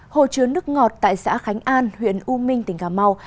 hồ chứa nước ngọt tại xã khánh an huyện u minh tỉnh cà mau